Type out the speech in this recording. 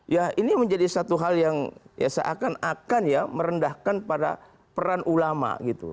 ya ini menjadi satu hal yang seakan akan ya merendahkan pada peran ulama gitu